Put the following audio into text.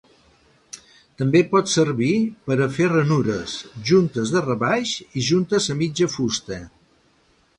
També pot servir per a fer ranures, juntes de rebaix i juntes a mitja fusta.